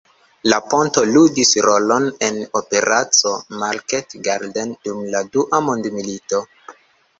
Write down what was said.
La ponto ludis rolon en Operaco Market Garden dum la Dua Mondmilito.